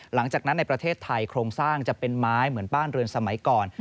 หลังจากนั้นในประเทศไทยโครงสร้างจะเป็นไม้เหมือนบ้านเรือนสมัยก่อน